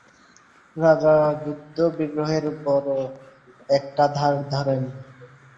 রাজা যুদ্ধবিগ্রহের বড়ো একটা ধার ধারেন না।